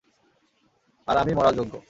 আর আমি মরার যোগ্য।